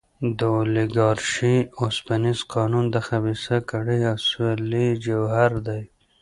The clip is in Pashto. د اولیګارشۍ اوسپنیز قانون د خبیثه کړۍ اصلي جوهر دی.